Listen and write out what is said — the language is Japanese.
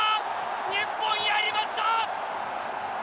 日本、やりました！